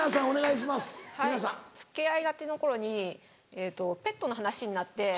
付き合いたての頃にペットの話になって。